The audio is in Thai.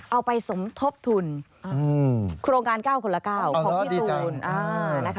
เอาไปสมทบทุนโครงการ๙คนละ๙ของพี่ตูน